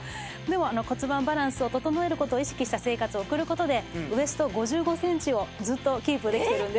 でも骨盤バランスを整える事を意識した生活を送る事でウエスト５５センチをずっとキープできてるんです。